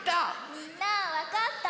みんなわかった？